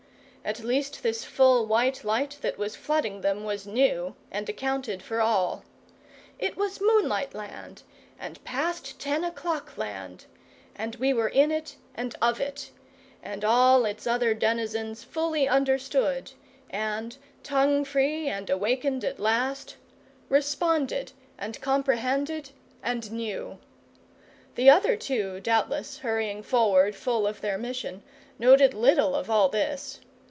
At least this full white light that was flooding them was new, and accounted for all. It was Moonlight Land, and Past Ten o'clock Land, and we were in it and of it, and all its other denizens fully understood, and, tongue free and awakened at last, responded and comprehended and knew. The other two, doubtless, hurrying forward full of their mission, noted little of all this.